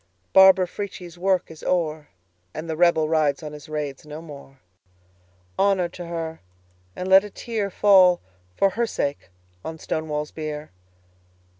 Barbara Frietchie's work is o'er, And the Rebel rides on his raids no more. Honor to her! and let a tearFall, for her sake, on Stonewall's bier.